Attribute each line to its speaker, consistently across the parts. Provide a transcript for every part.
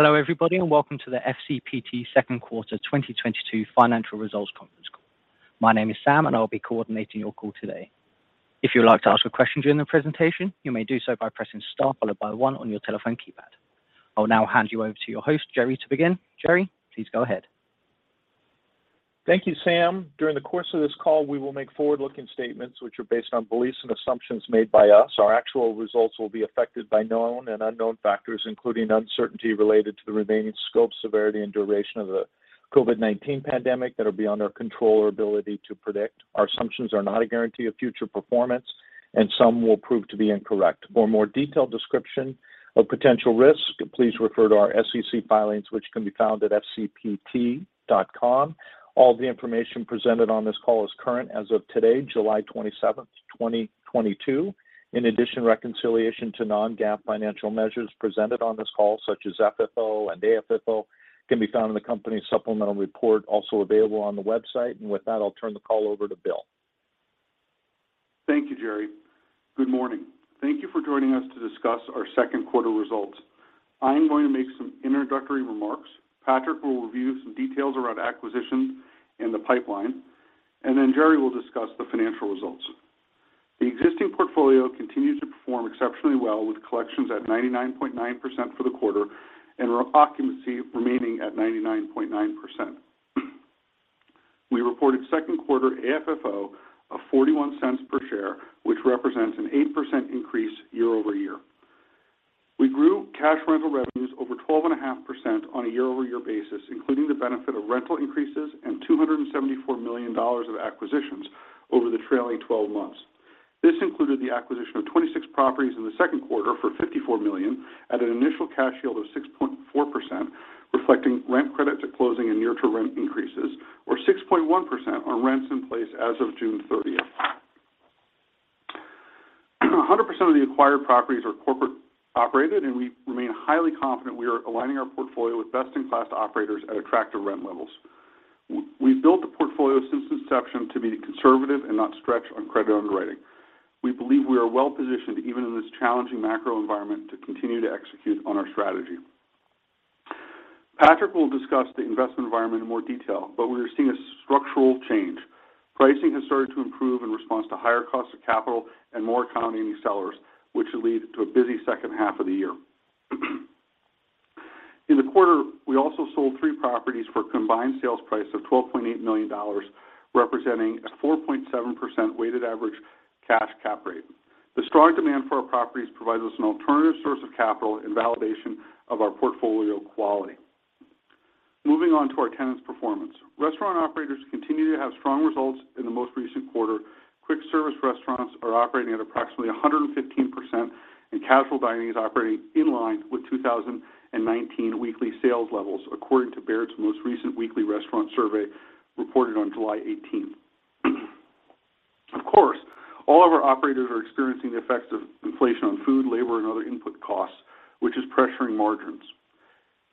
Speaker 1: Hello everybody and welcome to the FCPT second quarter 2022 financial results conference call. My name is Sam and I'll be coordinating your call today. If you would like to ask a question during the presentation, you may do so by pressing star followed by one on your telephone keypad. I will now hand you over to your host, Jerry, to begin. Jerry, please go ahead.
Speaker 2: Thank you, Sam. During the course of this call, we will make forward-looking statements which are based on beliefs and assumptions made by us. Our actual results will be affected by known and unknown factors, including uncertainty related to the remaining scope, severity, and duration of the COVID-19 pandemic that are beyond our control or ability to predict. Our assumptions are not a guarantee of future performance, and some will prove to be incorrect. For a more detailed description of potential risks, please refer to our SEC filings, which can be found at fcpt.com. All the information presented on this call is current as of today, July 27, 2022. In addition, reconciliation to non-GAAP financial measures presented on this call, such as FFO and AFFO, can be found in the company's supplemental report, also available on the website. With that, I'll turn the call over to Bill.
Speaker 3: Thank you, Jerry. Good morning. Thank you for joining us to discuss our second quarter results. I am going to make some introductory remarks. Patrick will review some details around acquisitions in the pipeline, and then Jerry will discuss the financial results. The existing portfolio continues to perform exceptionally well, with collections at 99.9% for the quarter and occupancy remaining at 99.9%. We reported second quarter AFFO of $0.41 per share, which represents an 8% increase year-over-year. We grew cash rental revenues over 12.5% on a year-over-year basis, including the benefit of rental increases and $274 million of acquisitions over the trailing twelve months. This included the acquisition of 26 properties in the second quarter for $54 million at an initial cash yield of 6.4%, reflecting rent credit to closing and near-term rent increases, or 6.1% on rents in place as of June 30. 100% of the acquired properties are corporate operated, and we remain highly confident we are aligning our portfolio with best-in-class operators at attractive rent levels. We've built the portfolio since inception to be conservative and not stretch on credit underwriting. We believe we are well-positioned, even in this challenging macro environment, to continue to execute on our strategy. Patrick will discuss the investment environment in more detail, but we are seeing a structural change. Pricing has started to improve in response to higher costs of capital and more economy sellers, which will lead to a busy second half of the year. In the quarter, we also sold three properties for a combined sales price of $12.8 million, representing a 4.7% weighted average cash cap rate. The strong demand for our properties provides us an alternative source of capital and validation of our portfolio quality. Moving on to our tenants' performance. Restaurant operators continue to have strong results in the most recent quarter. Quick service restaurants are operating at approximately 115%, and casual dining is operating in line with 2019 weekly sales levels, according to Baird's most recent weekly restaurant survey reported on July 18th. Of course, all of our operators are experiencing the effects of inflation on food, labor, and other input costs, which is pressuring margins.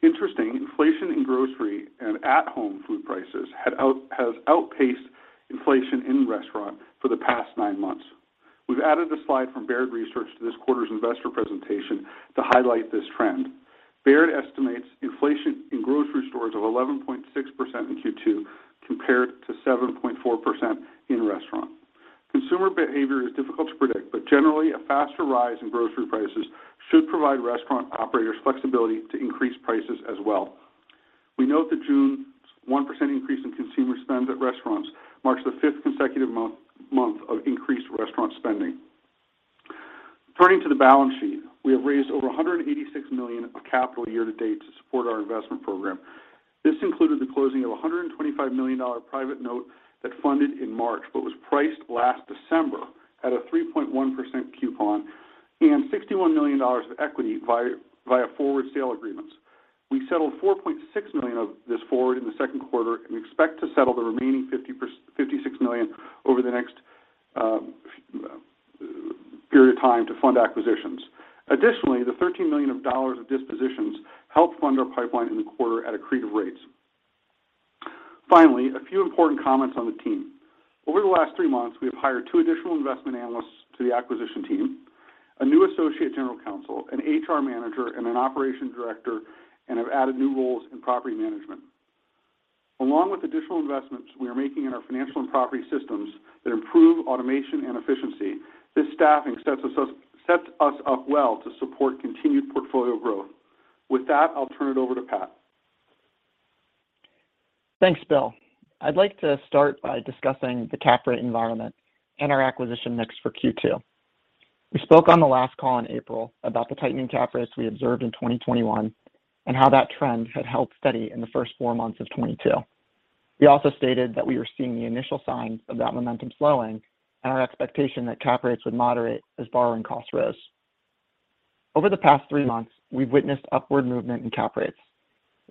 Speaker 3: Interesting, inflation in grocery and at-home food prices has outpaced inflation in restaurants for the past nine months. We've added a slide from Baird Research to this quarter's investor presentation to highlight this trend. Baird estimates inflation in grocery stores of 11.6% in Q2, compared to 7.4% in restaurant. Consumer behavior is difficult to predict, but generally a faster rise in grocery prices should provide restaurant operators flexibility to increase prices as well. We note that June's 1% increase in consumer spend at restaurants marks the fifth consecutive month of increased restaurant spending. Turning to the balance sheet, we have raised over $186 million of capital year to date to support our investment program. This included the closing of $125 million private note that funded in March, but was priced last December at a 3.1% coupon and $61 million of equity via forward sale agreements. We settled $4.6 million of this forward in the second quarter and expect to settle the remaining $56 million over the next period of time to fund acquisitions. Additionally, the $13 million of dispositions helped fund our pipeline in the quarter at accretive rates. Finally, a few important comments on the team. Over the last three months, we have hired two additional investment analysts to the acquisition team, a new associate general counsel, an HR manager, and an operations director, and have added new roles in property management. Along with additional investments we are making in our financial and property systems that improve automation and efficiency, this staffing sets us up well to support continued portfolio growth. With that, I'll turn it over to Pat.
Speaker 4: Thanks, Bill. I'd like to start by discussing the cap rate environment and our acquisition mix for Q2. We spoke on the last call in April about the tightening cap rates we observed in 2021, and how that trend had held steady in the first four months of 2022. We also stated that we were seeing the initial signs of that momentum slowing and our expectation that cap rates would moderate as borrowing costs rose. Over the past three months, we've witnessed upward movement in cap rates.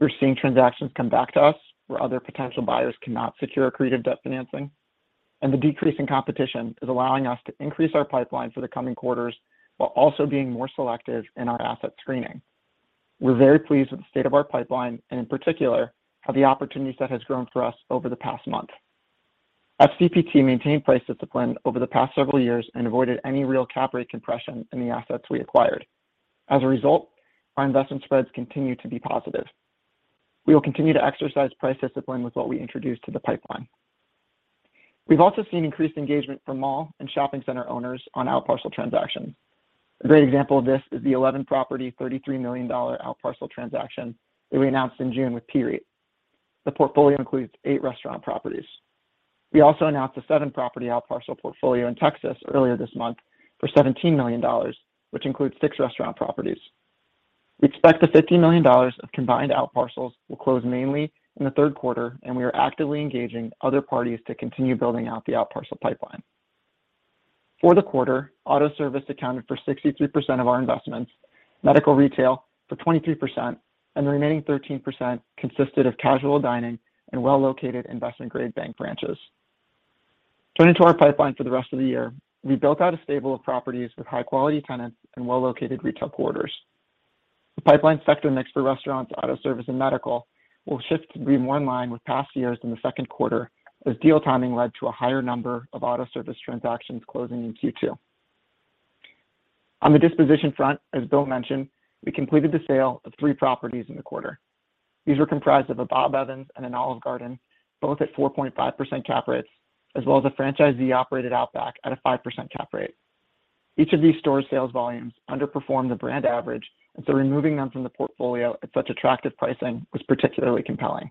Speaker 4: We're seeing transactions come back to us where other potential buyers cannot secure accretive debt financing. The decrease in competition is allowing us to increase our pipeline for the coming quarters while also being more selective in our asset screening. We're very pleased with the state of our pipeline and in particular, how the opportunity set has grown for us over the past month. FCPT maintained price discipline over the past several years and avoided any real cap rate compression in the assets we acquired. As a result, our investment spreads continue to be positive. We will continue to exercise price discipline with what we introduce to the pipeline. We've also seen increased engagement from mall and shopping center owners on outparcel transactions. A great example of this is the 11-property, $33 million outparcel transaction that we announced in June with PREIT. The portfolio includes eight restaurant properties. We also announced a seven-property outparcel portfolio in Texas earlier this month for $17 million, which includes six restaurant properties. We expect the $50 million of combined outparcels will close mainly in the third quarter, and we are actively engaging other parties to continue building out the outparcel pipeline. For the quarter, auto service accounted for 63% of our investments, medical retail for 23%, and the remaining 13% consisted of casual dining and well-located investment-grade bank branches. Turning to our pipeline for the rest of the year, we built out a stable of properties with high-quality tenants in well-located retail corridors. The pipeline sector mix for restaurants, auto service, and medical will shift to be more in line with past years in the second quarter as deal timing led to a higher number of auto service transactions closing in Q2. On the disposition front, as Bill mentioned, we completed the sale of three properties in the quarter. These were comprised of a Bob Evans and an Olive Garden, both at 4.5% cap rates, as well as a franchisee-operated Outback at a 5% cap rate. Each of these stores' sales volumes underperformed the brand average, and so removing them from the portfolio at such attractive pricing was particularly compelling.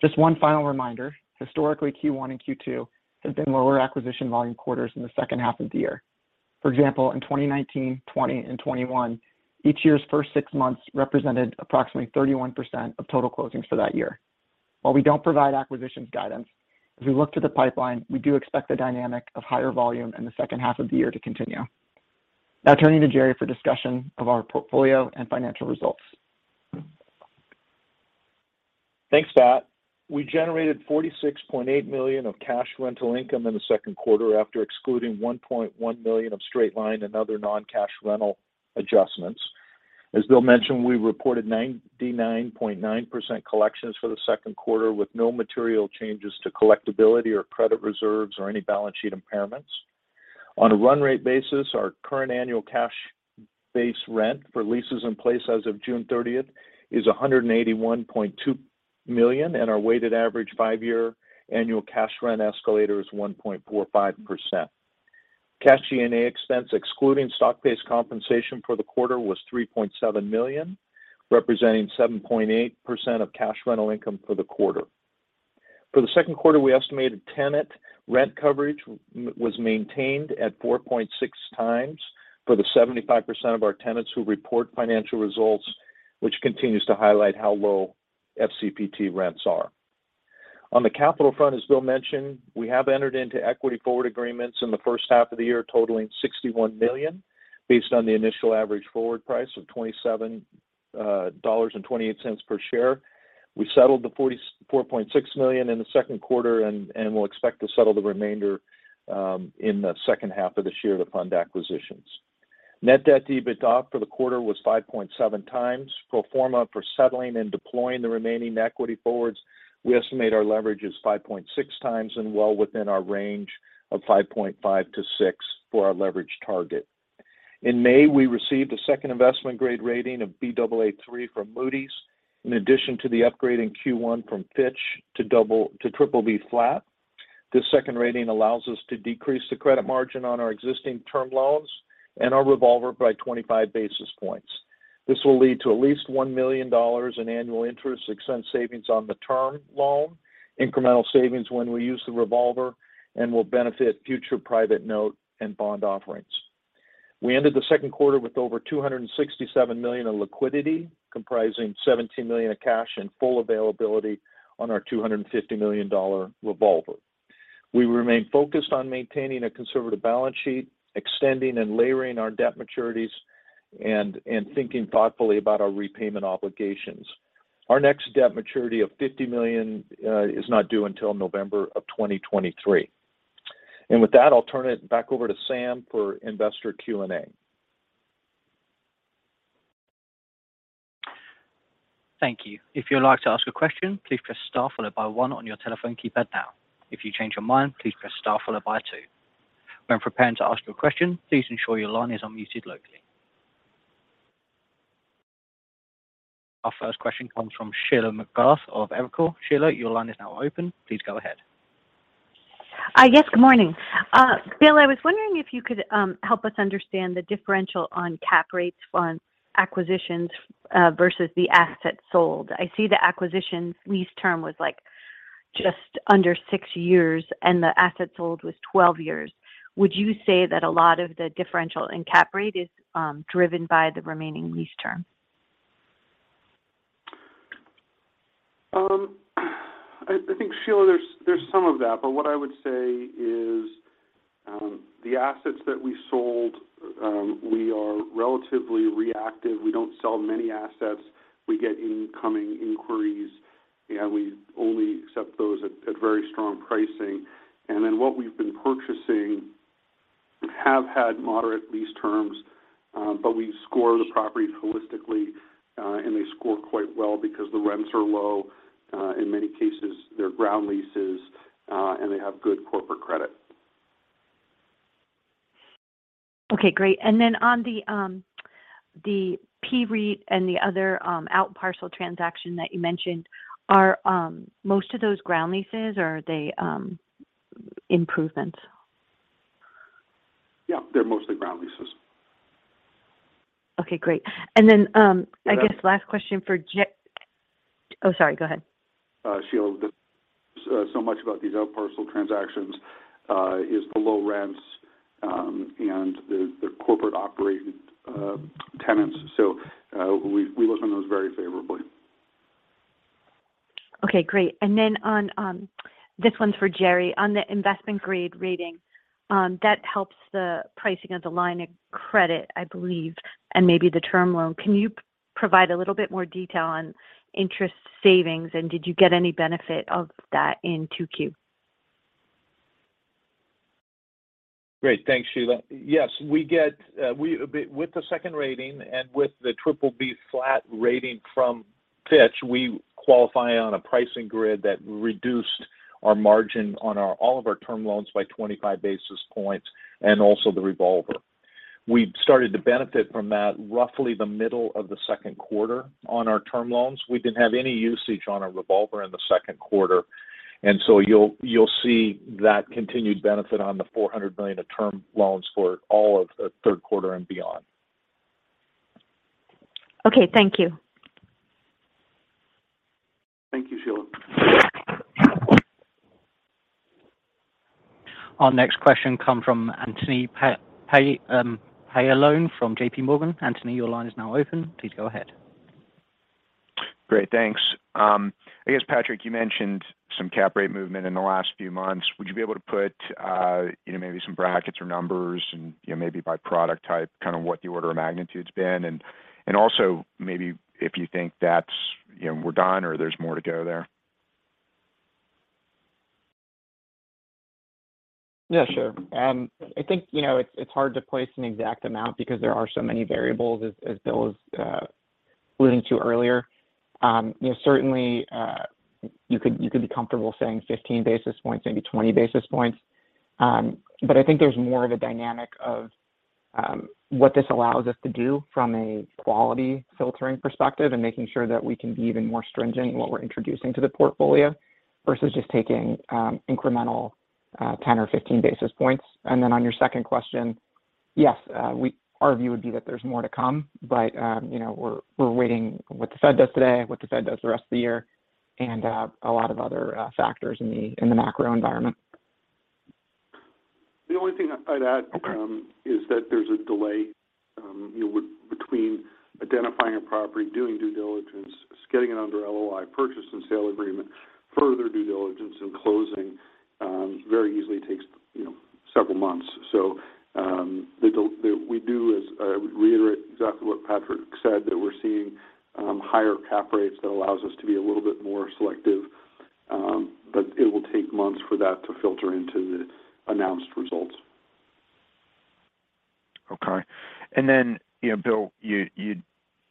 Speaker 4: Just one final reminder, historically, Q1 and Q2 have been lower acquisition volume quarters in the second half of the year. For example, in 2019, 2020, and 2021, each year's first six months represented approximately 31% of total closings for that year. While we don't provide acquisitions guidance, as we look to the pipeline, we do expect the dynamic of higher volume in the second half of the year to continue. Now turning to Jerry for discussion of our portfolio and financial results.
Speaker 2: Thanks, Pat. We generated $46.8 million of cash rental income in the second quarter after excluding $1.1 million of straight-line and other non-cash rental adjustments. As Bill mentioned, we reported 99.9% collections for the second quarter with no material changes to collectibility or credit reserves or any balance sheet impairments. On a run rate basis, our current annual cash base rent for leases in place as of June thirtieth is $181.2 million, and our weighted average five-year annual cash rent escalator is 1.45%. Cash G&A expense, excluding stock-based compensation for the quarter, was $3.7 million, representing 7.8% of cash rental income for the quarter. For the second quarter, we estimated tenant rent coverage was maintained at 4.6 times for the 75% of our tenants who report financial results, which continues to highlight how low FCPT rents are. On the capital front, as Bill mentioned, we have entered into equity forward agreements in the first half of the year totaling $61 million based on the initial average forward price of $27.28 per share. We settled the $44.6 million in the second quarter and will expect to settle the remainder in the second half of this year to fund acquisitions. Net debt to EBITDA for the quarter was 5.7 times. Pro forma for settling and deploying the remaining equity forwards, we estimate our leverage is 5.6x and well within our range of 5.5-6x for our leverage target. In May, we received a second investment-grade rating of Baa3 from Moody's, in addition to the upgrade in Q1 from Fitch to BBB flat. This second rating allows us to decrease the credit margin on our existing term loans and our revolver by 25 basis points. This will lead to at least $1 million in annual interest expense savings on the term loan, incremental savings when we use the revolver, and will benefit future private note and bond offerings. We ended the second quarter with over $267 million in liquidity, comprising $17 million of cash and full availability on our $250 million revolver. We remain focused on maintaining a conservative balance sheet, extending and layering our debt maturities, and thinking thoughtfully about our repayment obligations. Our next debt maturity of $50 million is not due until November 2023. With that, I'll turn it back over to Sam for investor Q&A.
Speaker 1: Thank you. If you'd like to ask a question, please press star followed by one on your telephone keypad now. If you change your mind, please press star followed by two. When preparing to ask your question, please ensure your line is unmuted locally. Our first question comes from Sheila McGrath of Evercore. Sheila, your line is now open. Please go ahead.
Speaker 5: Yes, good morning. Bill, I was wondering if you could help us understand the differential on cap rates on acquisitions versus the assets sold. I see the acquisitions lease term was, like, just under six years, and the assets sold was 12 years. Would you say that a lot of the differential in cap rate is driven by the remaining lease term?
Speaker 2: I think, Sheila, there's some of that, but what I would say is, the assets that we sold, we are relatively reactive. We don't sell many assets. We get incoming inquiries, and we only accept those at very strong pricing. Then what we've been purchasing have had moderate lease terms, but we score the properties holistically, and they score quite well because the rents are low. In many cases, they're ground leases, and they have good corporate credit.
Speaker 5: Okay, great. Then on the PREIT and the other outparcel transaction that you mentioned, are most of those ground leases, or are they improvements?
Speaker 3: Yeah, they're mostly ground leases.
Speaker 5: Okay, great. I guess last question for Jerry. Oh, sorry, go ahead.
Speaker 3: Sheila, so much about these outparcel transactions is the low rents and the corporate operated tenants. We look on those very favorably.
Speaker 5: Okay, great. This one's for Jerry. On the investment grade rating, that helps the pricing of the line of credit, I believe, and maybe the term loan. Can you provide a little bit more detail on interest savings, and did you get any benefit of that in 2Q?
Speaker 2: Great. Thanks, Sheila. Yes, we get with the second rating and with the BBB rating from Fitch, we qualify on a pricing grid that reduced our margin on all of our term loans by 25 basis points and also the revolver. We started to benefit from that roughly the middle of the second quarter on our term loans. We didn't have any usage on our revolver in the second quarter, and so you'll see that continued benefit on the $400 million of term loans for all of the third quarter and beyond.
Speaker 5: Okay, thank you.
Speaker 3: Thank you, Sheila.
Speaker 1: Our next question comes from Anthony Paolone from JPMorgan. Anthony, your line is now open. Please go ahead.
Speaker 6: Great, thanks. I guess, Patrick, you mentioned some cap rate movement in the last few months. Would you be able to put, you know, maybe some brackets or numbers and, you know, maybe by product type, kind of what the order of magnitude's been? Also, maybe if you think that's, you know, we're done or there's more to go there.
Speaker 4: Yeah, sure. I think, you know, it's hard to place an exact amount because there are so many variables as Bill was alluding to earlier. You know, certainly, you could be comfortable saying 15 basis points, maybe 20 basis points. But I think there's more of a dynamic of what this allows us to do from a quality filtering perspective and making sure that we can be even more stringent in what we're introducing to the portfolio versus just taking incremental 10 or 15 basis points. On your second question, yes, our view would be that there's more to come, but, you know, we're waiting what the Fed does today, what the Fed does the rest of the year, and a lot of other factors in the macro environment.
Speaker 3: The only thing I'd add.
Speaker 6: Okay
Speaker 3: is that there's a delay, you know, between identifying a property, doing due diligence, getting it under LOI purchase and sale agreement, further due diligence, and closing, very easily takes, you know, several months. What we do is reiterate exactly what Patrick said, that we're seeing higher cap rates that allows us to be a little bit more selective, but it will take months for that to filter into the announced results.
Speaker 6: Okay. You know, Bill, you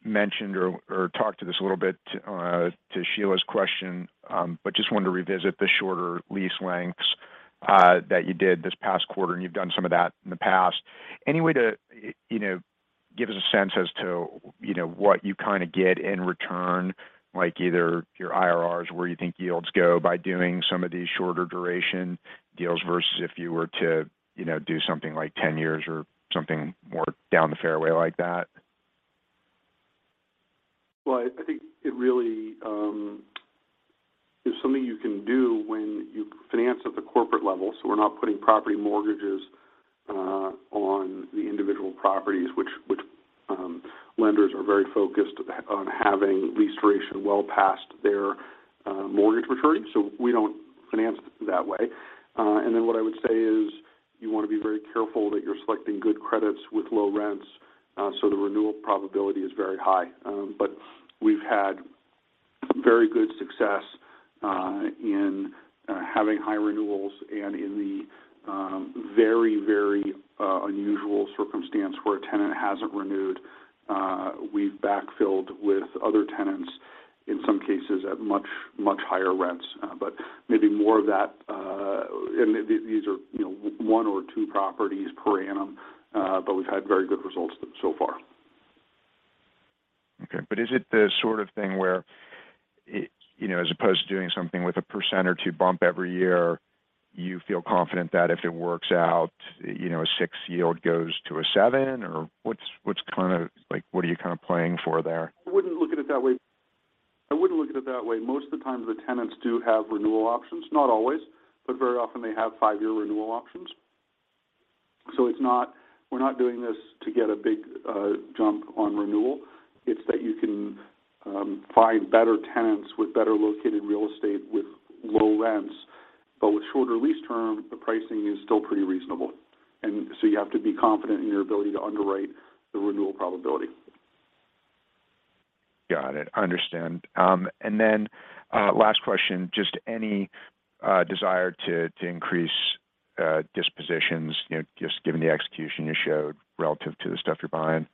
Speaker 6: mentioned or talked to this a little bit to Sheila's question, but just wanted to revisit the shorter lease lengths that you did this past quarter, and you've done some of that in the past. Any way to you know, give us a sense as to you know, what you kind of get in return, like either your IRRs, where you think yields go by doing some of these shorter duration deals versus if you were to you know, do something like 10 years or something more down the fairway like that?
Speaker 3: Well, I think it really is something you can do when you finance at the corporate level. We're not putting property mortgages on the individual properties, which lenders are very focused on having lease duration well past their mortgage maturity. We don't finance that way. What I would say is you want to be very careful that you're selecting good credits with low rents so the renewal probability is very high. We've had very good success in having high renewals. In the very unusual circumstance where a tenant hasn't renewed, we've backfilled with other tenants, in some cases at much higher rents. Maybe more of that, and these are, you know, one or two properties per annum, but we've had very good results so far.
Speaker 6: Okay. Is it the sort of thing where, it, you know, as opposed to doing something with a 1% or 2% bump every year, you feel confident that if it works out, you know, a 6% yield goes to a 7%? Or what's kind of like, what are you kind of playing for there?
Speaker 3: I wouldn't look at it that way. Most of the time the tenants do have renewal options. Not always, but very often they have five-year renewal options. It's not. We're not doing this to get a big jump on renewal. It's that you can find better tenants with better located real estate with low rents. With shorter lease term, the pricing is still pretty reasonable. You have to be confident in your ability to underwrite the renewal probability.
Speaker 6: Got it. Understand. Last question, just any desire to increase dispositions, you know, just given the execution you showed relative to the stuff you're buying.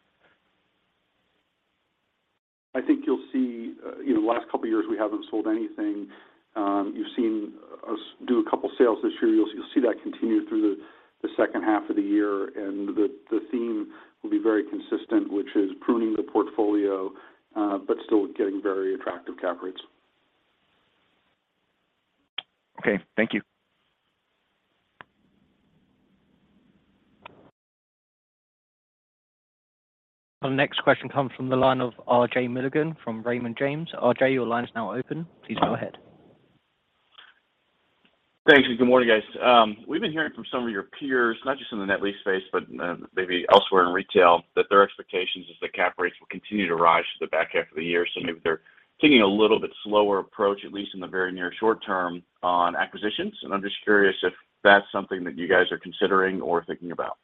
Speaker 3: I think you'll see, you know, last couple of years we haven't sold anything. You've seen us do a couple sales this year. You'll see that continue through the second half of the year, and the theme will be very consistent, which is pruning the portfolio, but still getting very attractive cap rates.
Speaker 6: Okay. Thank you.
Speaker 1: Our next question comes from the line of RJ Milligan from Raymond James. RJ, your line is now open. Please go ahead.
Speaker 7: Thanks, and good morning, guys. We've been hearing from some of your peers, not just in the net lease space, but maybe elsewhere in retail, that their expectations is that cap rates will continue to rise to the back half of the year. Maybe they're taking a little bit slower approach, at least in the very near short term on acquisitions. I'm just curious if that's something that you guys are considering or thinking about.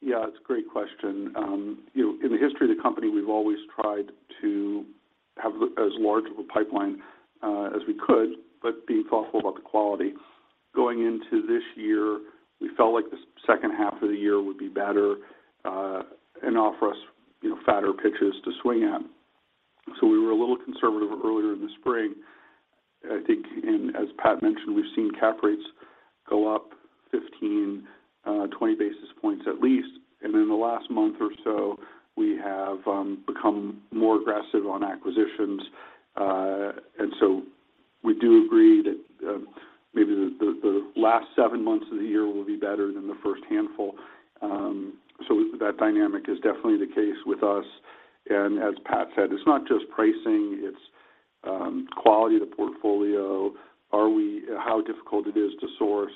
Speaker 3: Yeah, it's a great question. You know, in the history of the company, we've always tried to have as large of a pipeline as we could, but being thoughtful about the quality. Going into this year, we felt like the second half of the year would be better and offer us, you know, fatter pitches to swing at. We were a little conservative earlier in the spring. I think, and as Pat mentioned, we've seen cap rates go up 15, 20 basis points at least. In the last month or so, we have become more aggressive on acquisitions. We do agree that maybe the last seven months of the year will be better than the first handful. That dynamic is definitely the case with us. As Pat said, it's not just pricing, it's quality of the portfolio. How difficult it is to source.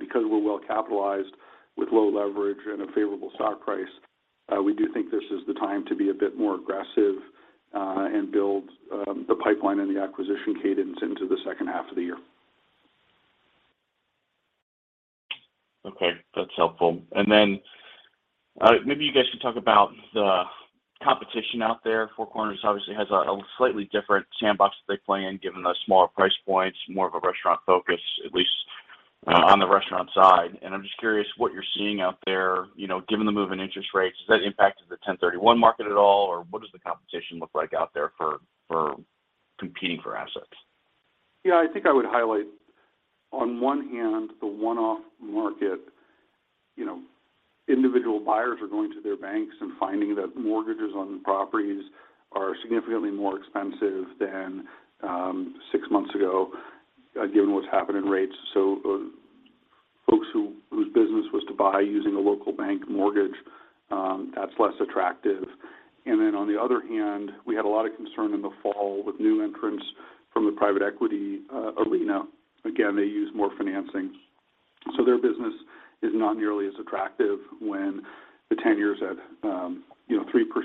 Speaker 3: Because we're well capitalized with low leverage and a favorable stock price, we do think this is the time to be a bit more aggressive, and build the pipeline and the acquisition cadence into the second half of the year.
Speaker 7: Okay, that's helpful. Maybe you guys can talk about the competition out there. Four Corners obviously has a slightly different sandbox that they play in, given the smaller price points, more of a restaurant focus, at least on the restaurant side. I'm just curious what you're seeing out there, you know, given the move in interest rates. Has that impacted the 1031 market at all, or what does the competition look like out there for competing for assets?
Speaker 3: Yeah, I think I would highlight on one hand, the one-off market, you know, individual buyers are going to their banks and finding that mortgages on properties are significantly more expensive than six months ago, given what's happened in rates. Folks whose business was to buy using a local bank mortgage, that's less attractive. On the other hand, we had a lot of concern in the fall with new entrants from the private equity arena. Again, they use more financing, so their business is not nearly as attractive when the 10-year is at, you know,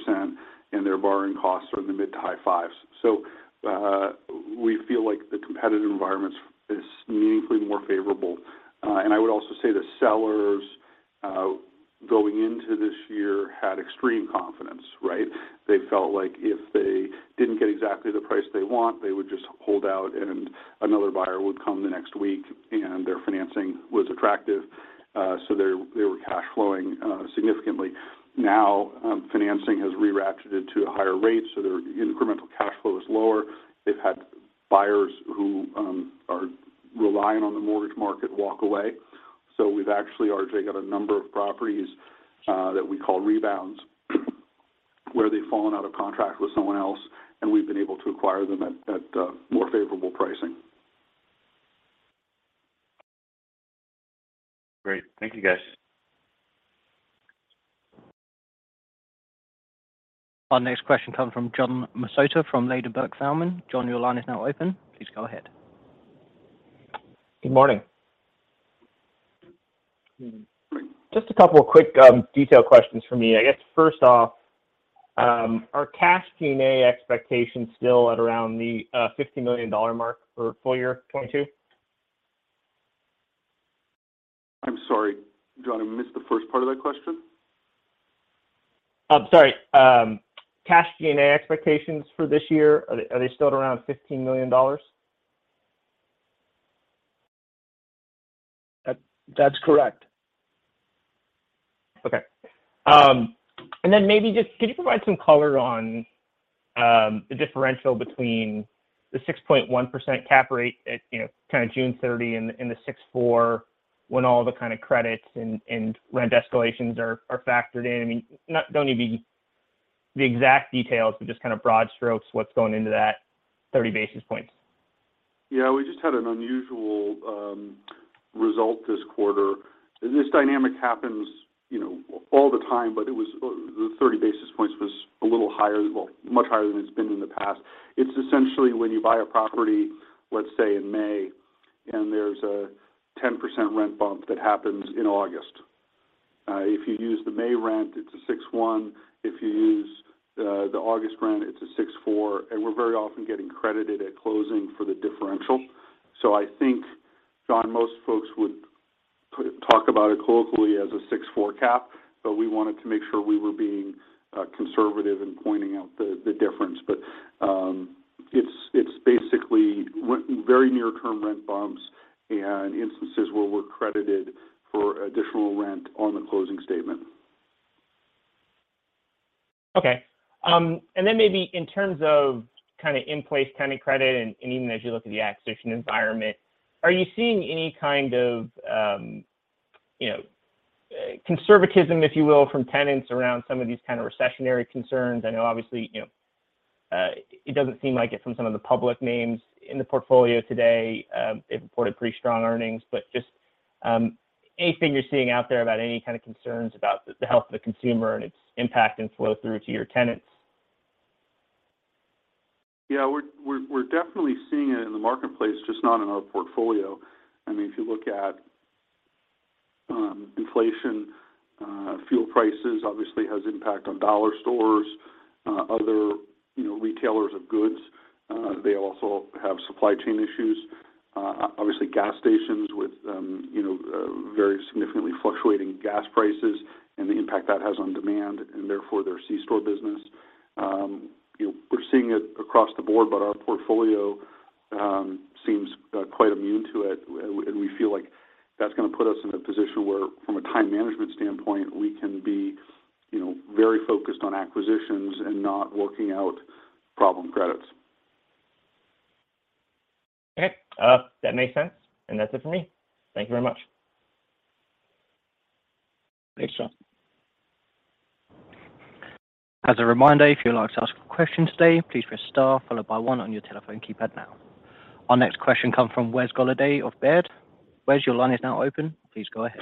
Speaker 3: 3% and their borrowing costs are in the mid to high fives. We feel like the competitive environment is meaningfully more favorable. I would also say the sellers going into this year had extreme confidence, right? They felt like if they didn't get exactly the price they want, they would just hold out and another buyer would come the next week, and their financing was attractive. They were cash flowing significantly. Now, financing has re-ratcheted to higher rates, so their incremental cash flow is lower. They've had buyers who are relying on the mortgage market walk away. We've actually, RJ, got a number of properties that we call rebounds, where they've fallen out of contract with someone else, and we've been able to acquire them at more favorable pricing.
Speaker 7: Great. Thank you, guys.
Speaker 1: Our next question comes from John Massocca from Ladenburg Thalmann. John, your line is now open. Please go ahead.
Speaker 8: Good morning.
Speaker 3: Mm-hmm.
Speaker 8: Just a couple of quick detail questions from me. I guess first off, are cash G&A expectations still at around the $50 million mark for full year 2022?
Speaker 3: I'm sorry, John, I missed the first part of that question.
Speaker 8: I'm sorry. Cash G&A expectations for this year, are they still at around $15 million?
Speaker 3: That, that's correct.
Speaker 8: Okay. Maybe just could you provide some color on the differential between the 6.1% cap rate at, you know, kind of June 30 and the 6.4% when all the kind of credits and rent escalations are factored in? I mean, don't need the exact details, but just kind of broad strokes what's going into that 30 basis points.
Speaker 3: Yeah, we just had an unusual result this quarter. This dynamic happens, you know, all the time, but it was the 30 basis points was a little higher, well, much higher than it's been in the past. It's essentially when you buy a property, let's say in May, and there's a 10% rent bump that happens in August. If you use the May rent, it's a 6.1%. If you use the August rent, it's a 6.4%. We're very often getting credited at closing for the differential. So I think, John, most folks would talk about it colloquially as a 6.4% cap, but we wanted to make sure we were being conservative in pointing out the difference. It's basically very near-term rent bumps and instances where we're credited for additional rent on the closing statement.
Speaker 8: Okay. And then maybe in terms of kind of in-place tenant credit and even as you look at the acquisition environment, are you seeing any kind of, you know, conservatism, if you will, from tenants around some of these kind of recessionary concerns? I know obviously, you know, it doesn't seem like it from some of the public names in the portfolio today, they've reported pretty strong earnings. Just anything you're seeing out there about any kind of concerns about the health of the consumer and its impact and flow through to your tenants?
Speaker 3: Yeah. We're definitely seeing it in the marketplace, just not in our portfolio. I mean, if you look at inflation, fuel prices obviously has impact on dollar stores, other, you know, retailers of goods. They also have supply chain issues. Obviously gas stations with very significantly fluctuating gas prices and the impact that has on demand, and therefore their C-store business. You know, we're seeing it across the board, but our portfolio seems quite immune to it. And we feel like that's gonna put us in a position where from a time management standpoint, we can be, you know, very focused on acquisitions and not working out problem credits.
Speaker 8: Okay. That makes sense, and that's it for me. Thank you very much.
Speaker 3: Thanks, John.
Speaker 1: As a reminder, if you'd like to ask a question today, please press star followed by one on your telephone keypad now. Our next question comes from Wes Golladay of Baird. Wes, your line is now open. Please go ahead.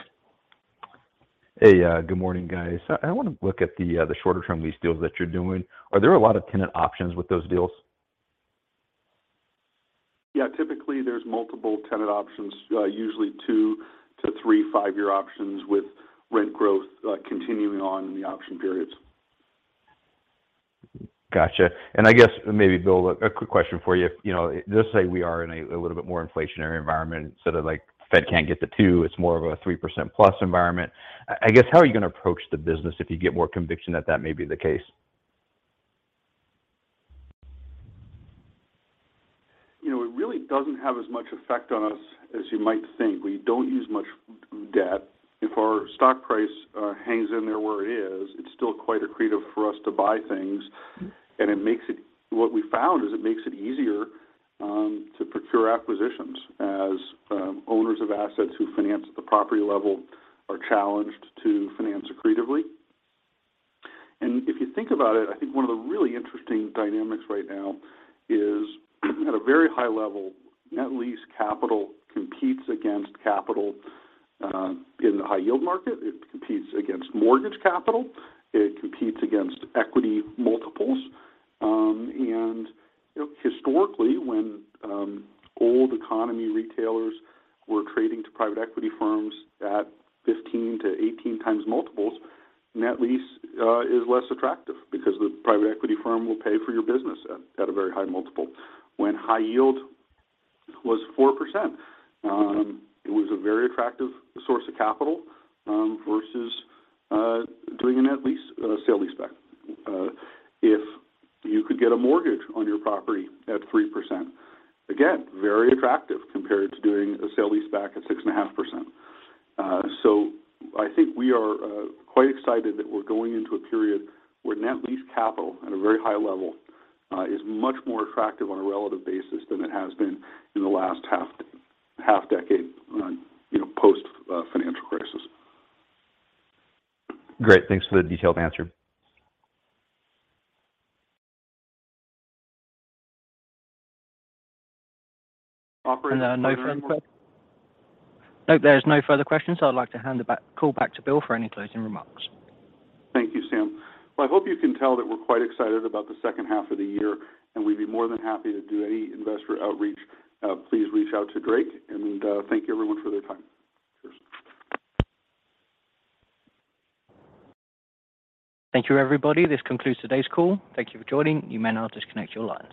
Speaker 9: Hey. Good morning, guys. I wanna look at the shorter-term lease deals that you're doing. Are there a lot of tenant options with those deals?
Speaker 3: Yeah. Typically, there's multiple tenant options, usually two to three, five-year options with rent growth, continuing on in the option periods.
Speaker 9: Gotcha. I guess maybe, Bill, quick question for you. You know, let's say we are in a little bit more inflationary environment, sort of like Fed can't get to 2%, it's more of a 3%+ environment. I guess how are you gonna approach the business if you get more conviction that that may be the case?
Speaker 3: You know, it really doesn't have as much effect on us as you might think. We don't use much debt. If our stock price hangs in there where it is, it's still quite accretive for us to buy things. What we found is it makes it easier to procure acquisitions as owners of assets who finance at the property level are challenged to finance accretively. If you think about it, I think one of the really interesting dynamics right now is at a very high level, net lease capital competes against capital in the high yield market. It competes against mortgage capital. It competes against equity multiples. You know, historically, when old economy retailers were trading to private equity firms at 15-18 times multiples, net lease is less attractive because the private equity firm will pay for your business at a very high multiple. When high yield was 4%, it was a very attractive source of capital versus doing a net lease sale leaseback. If you could get a mortgage on your property at 3%, again, very attractive compared to doing a sale leaseback at 6.5%. I think we are quite excited that we're going into a period where net lease capital at a very high level is much more attractive on a relative basis than it has been in the last half decade, you know, post financial crisis.
Speaker 9: Great. Thanks for the detailed answer.
Speaker 3: Operator, are there any more?
Speaker 1: There's no further questions, so I'd like to hand the call back to Bill for any closing remarks.
Speaker 3: Thank you, Sam. Well, I hope you can tell that we're quite excited about the second half of the year, and we'd be more than happy to do any investor outreach. Please reach out to Drake, and thank you everyone for their time. Cheers.
Speaker 1: Thank you, everybody. This concludes today's call. Thank you for joining. You may now disconnect your lines.